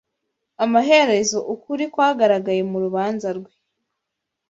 Amaherezo ukuri kwagaragaye mu rubanza rwe